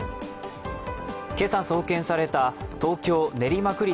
今朝送検された東京練馬区立